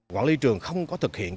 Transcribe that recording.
quản lý trường không có thực hiện